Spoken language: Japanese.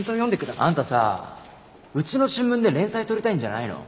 あんたさうちの新聞で連載取りたいんじゃないの？